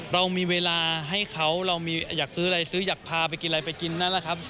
เรามีเวลาให้เขาเราอยากซื้ออะไรซื้ออยากพาไปกินอะไรไปกินนั่นแหละครับ